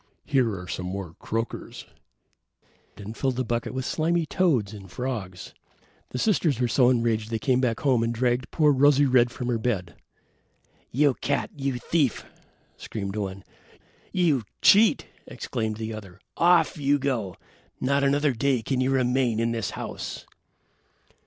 Here are some more croakers," and he filled the bucket with slimy toads and frogs. The sisters were so enraged that they ran back home and dragged poor Rosy red from her bed. "You cat, you thief," screamed one. "You cheat," exclaimed the other. "Off you go. Not another day can you remain in this house."